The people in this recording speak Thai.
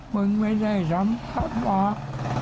มึงไม่ได้สำหรับปาก